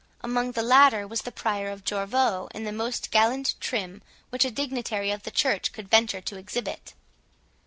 Among the latter was the Prior of Jorvaulx, in the most gallant trim which a dignitary of the church could venture to exhibit.